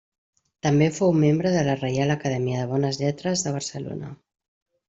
També fou membre de la Reial Acadèmia de Bones Lletres de Barcelona.